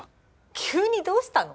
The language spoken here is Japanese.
急にどうしたの？